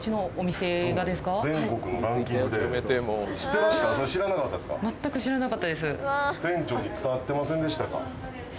店長に伝わってませんでしたか。